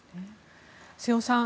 瀬尾さん